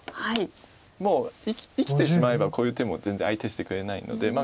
もう生きてしまえばこういう手も全然相手してくれないので。